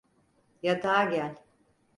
Yatağa gel.